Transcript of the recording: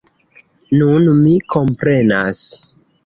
Nun mi komprenas.